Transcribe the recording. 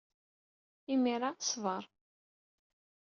Imir-a, ṣber.